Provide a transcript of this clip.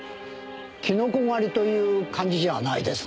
キノコ狩りという感じじゃないですな。